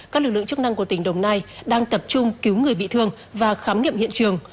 các lực lượng chức năng của tỉnh đồng nai đang tập trung cứu người bị thương và khám nghiệm hiện trường